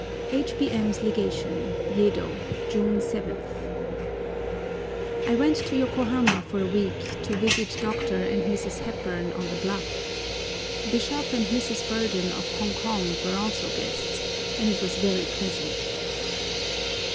H.B.M.'s LEGATION, YEDO, June 7. I WENT to Yokohama for a week to visit Dr. and Mrs. Hepburn on the Bluff. Bishop and Mrs. Burdon of Hong Kong were also guests, and it was very pleasant.